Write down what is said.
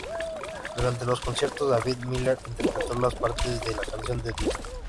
Durante los conciertos, David Miller interpretó las partes de la canción de Dion.